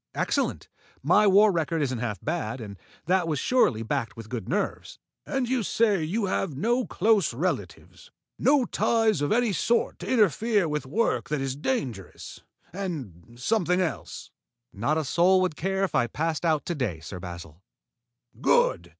"Excellent. My war record isn't half bad, and that was surely backed with good nerves." "And you say you have no close relatives, no ties of any sort to interfere with work that is dangerous and something else?" "Not a soul would care if I passed out to day, Sir Basil." "Good!